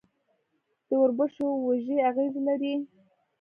د وربشو وږی اغزي لري.